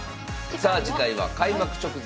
さあ次回は「開幕直前！